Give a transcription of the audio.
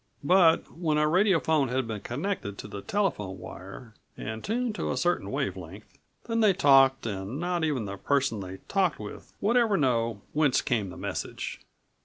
But when a radiophone had been connected to the telephone wire and tuned to a certain wave length, then they talked and not even the person they talked with would ever know whence came the message.